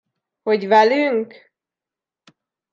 Hogy velünk?